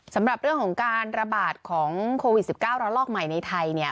สำหรับเรื่องของการระบาดของโควิด๑๙ระลอกใหม่ในไทยเนี่ย